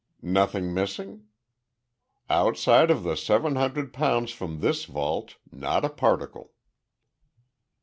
"Nothing missing?" "Outside of the seven hundred pounds from this vault, not a particle."